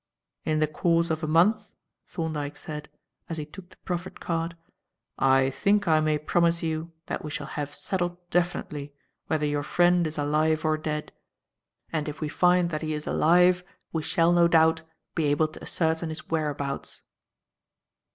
"In the course of a month," Thorndyke said, as he took the proffered card, "I think I may promise you that we shall have settled definitely whether your friend is alive or dead; and if we find that he is alive, we shall, no doubt, be able to ascertain his whereabouts."